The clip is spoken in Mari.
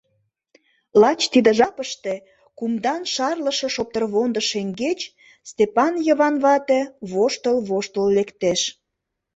Лач тиде жапыште кумдан шарлыше шоптырвондо шеҥгеч Стапан Йыван вате воштыл-воштыл лектеш.